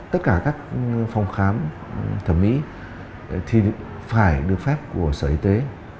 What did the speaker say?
tất cả các phòng khám thẩm mỹ thì phải được phép của sở y tế